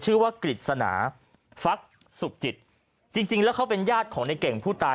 ชื่อว่ากฤษณาฟักสุขจิตจริงจริงแล้วเขาเป็นญาติของในเก่งผู้ตาย